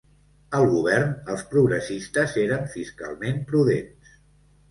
Al govern, els progressistes eren fiscalment prudents.